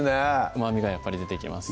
うまみがやっぱり出てきます